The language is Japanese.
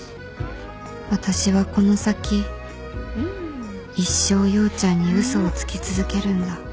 私はこの先一生陽ちゃんに嘘をつき続けるんだ